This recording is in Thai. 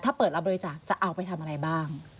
ถ้าเปิดรับบริจาคจะเอาไปทำอะไรบ้าง